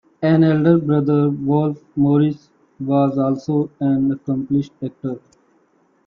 An elder brother, Wolfe Morris, was also an accomplished actor.